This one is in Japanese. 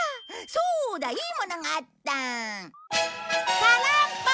そうだいいものがあった！